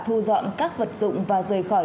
thu dọn các vật dụng và rời khỏi